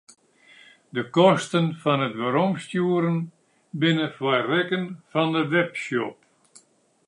De kosten fan it weromstjoeren binne foar rekken fan de webshop.